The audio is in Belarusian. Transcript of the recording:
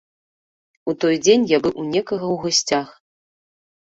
У той дзень я быў у некага ў гасцях.